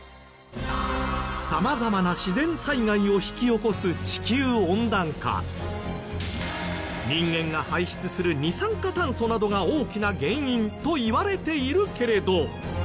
様々な人間が排出する二酸化炭素などが大きな原因といわれているけれど。